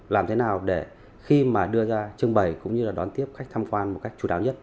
làm thế nào để khi đưa ra trưng bày cũng như đón tiếp khách tham quan một cách chủ đáo nhất